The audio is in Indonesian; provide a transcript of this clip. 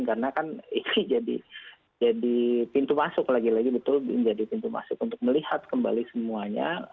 karena kan ini jadi pintu masuk lagi lagi betul jadi pintu masuk untuk melihat kembali semuanya